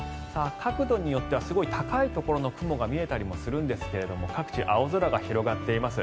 角度によってはすごい高いところの雲が見えたりもするんですが各地、青空が広がっています。